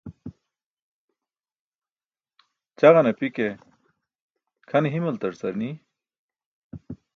Ćaġan api ke kʰane himaltar car ni.